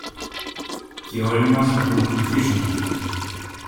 και όλοι μας να τον ακολουθήσομε.